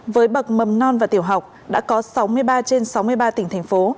với bậc mầm non và tiểu học đã có sáu mươi ba trên sáu mươi ba tỉnh thành phố